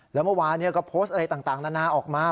แล้วเมื่อวานก็โพสต์อะไรต่างนานาออกมา